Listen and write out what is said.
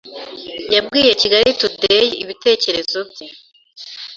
yabwiye Kigali Taday ibitekerezo bye